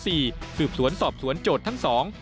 สืบสวนสอบสวนโจทย์ทั้งสอง